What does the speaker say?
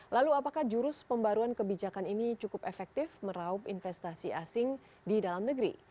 lalu apakah jurus pembaruan kebijakan ini cukup efektif meraup investasi asing di dalam negeri